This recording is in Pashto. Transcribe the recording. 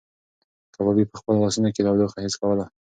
کبابي په خپلو لاسو کې تودوخه حس کوله.